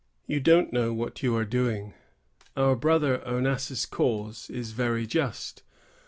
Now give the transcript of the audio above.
You don't know what you are doing. Our brother Onas's cause is very just.